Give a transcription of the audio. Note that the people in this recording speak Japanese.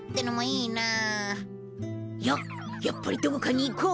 いややっぱりどこかに行こう！